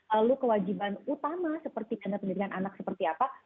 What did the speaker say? lalu kewajiban utama seperti dana pendidikan anak seperti apa